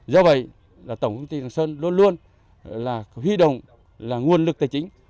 do vậy tổng công ty trần sơn luôn luôn huy động nguồn lực tài chính